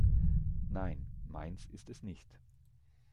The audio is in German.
Nein, meins ist es nicht.